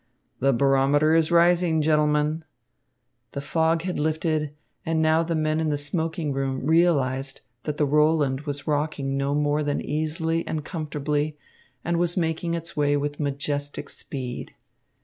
"The barometer is rising, gentlemen." The fog had lifted, and now the men in the smoking room realised that the Roland was rocking no more than easily and comfortably and was making its way with majestic speed.